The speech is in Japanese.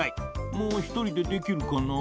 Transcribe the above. もうひとりでできるかな？